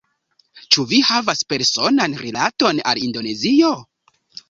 Ĉu vi havas personan rilaton al Indonezio?